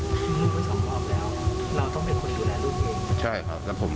คือลูกไว้สองรอบแล้วเราต้องเป็นคนดูแลลูกเอง